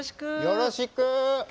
よろしく。